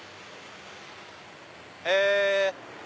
へぇ。